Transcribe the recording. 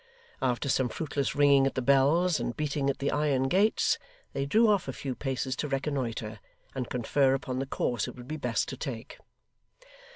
After some fruitless ringing at the bells, and beating at the iron gates, they drew off a few paces to reconnoitre, and confer upon the course it would be best to take.